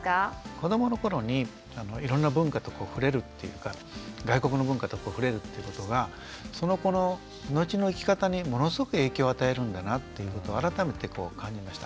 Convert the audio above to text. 子どもの頃にいろんな文化と触れるっていうか外国の文化と触れるっていうことがその子の後の生き方にものすごく影響を与えるんだなっていうことを改めて感じました。